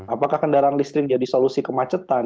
apakah kendaraan listrik jadi solusi kemacetan